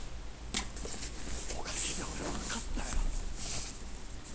おかげで俺分かったよ。